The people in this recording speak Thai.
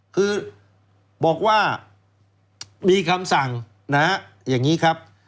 คือบอกว่ามีคำสั่งนะฮะอย่างนี้ครับ